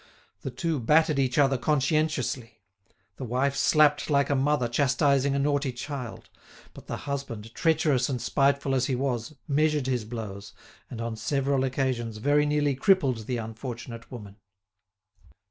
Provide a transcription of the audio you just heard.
The two battered each other conscientiously; the wife slapped like a mother chastising a naughty child; but the husband, treacherous and spiteful as he was, measured his blows, and, on several occasions, very nearly crippled the unfortunate woman.